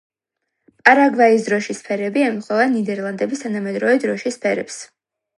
პარაგვაის დროშის ფერები ემთხვევა ნიდერლანდების თანამედროვე დროშის ფერებს.